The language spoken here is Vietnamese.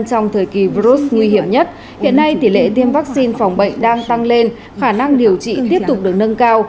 trong thời kỳ virus nguy hiểm nhất hiện nay tỷ lệ tiêm vaccine phòng bệnh đang tăng lên khả năng điều trị tiếp tục được nâng cao